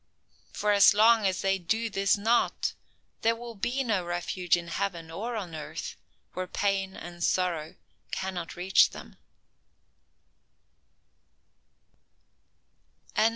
For as long as they do this not, there will be no refuge in heaven or on earth where pain and sorrow cannot reach them."